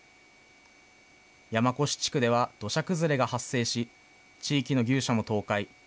山古志地区では土砂崩れが発生し、地域の牛舎も倒壊。